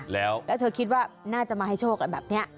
แล้วเธอคิดว่าน่าจะมาให้โชคแบบนี้